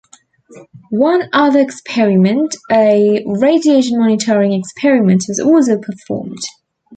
One other experiment, a radiation-monitoring experiment, was also performed.